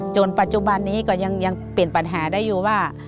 ปัจจุบันนี้ก็ยังเปลี่ยนปัญหาได้อยู่ว่า